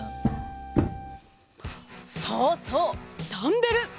そうそうダンベル！